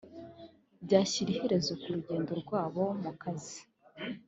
byashyira iherezo ku rugendo rwabo mu kazi